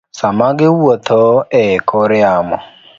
sama giwuotho e kor yamo.